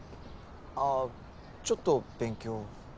あぁちょっと勉強を。